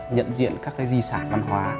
nhận diện các cái di sản văn hóa